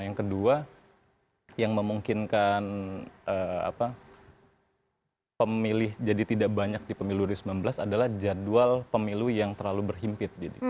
yang kedua yang memungkinkan pemilih jadi tidak banyak di pemilu dua ribu sembilan belas adalah jadwal pemilu yang terlalu berhimpit